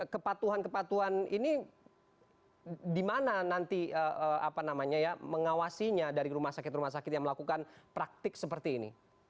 kepatuhan kepatuhan ini di mana nanti mengawasinya dari rumah sakit rumah sakit yang melakukan praktik seperti ini